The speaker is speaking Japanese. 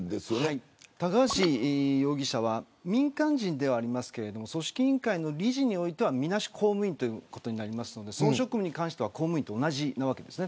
高橋容疑者は民間人ではありますけれども組織委員会の理事においてはみなし公務員ということになりますのでその職務に関しては公務員と同じなわけです。